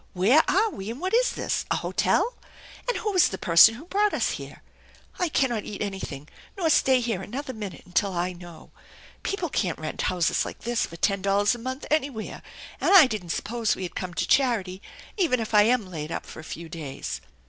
Where are we, and what is this ? A hotel ? And who was the person who brought us here ? I cannot eat anything nor stay here another minute until I know. People can't rent houses like this for ten dollars a month anywhere, and I didn't suppose we had come to charity, even if I am laid up for a few days."